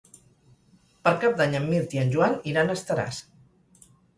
Per Cap d'Any en Mirt i en Joan iran a Estaràs.